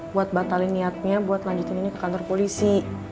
buat batalin niatnya buat lanjutin ini ke kantor polisi